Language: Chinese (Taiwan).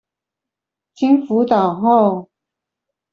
經輔導後